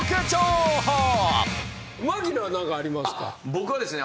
僕はですね。